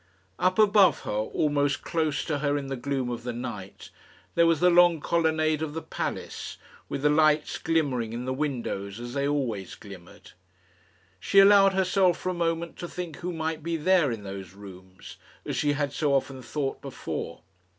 Up above her, almost close to her in the gloom of the night, there was the long colonnade of the palace, with the lights glimmering in the windows as they always glimmered. She allowed herself for a moment to think who might be there in those rooms as she had so often thought before.